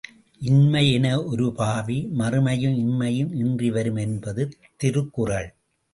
இன்மை யெனஒரு பாவி மறுமையும் இம்மையும் இன்றி வரும் என்பது திருக்குறள்.